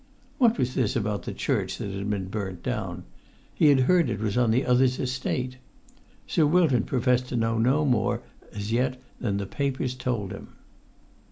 What was this about the church that had been burnt down? He had heard it was on the other's estate. Sir Wilton professed to know no more as yet than the papers told him.